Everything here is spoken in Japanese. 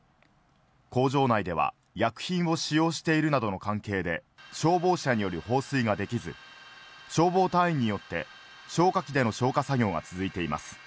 工場内では医薬品を使用しているなどの関係で消防車による放水ができず、消防隊員によって消火器での消火作業が続いています。